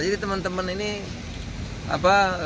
jadi teman teman ini apa